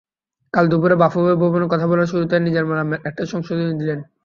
কাল দুপুরে বাফুফে ভবনে কথা বলার শুরুতেই নিজের নামের একটা সংশোধনী দিলেন।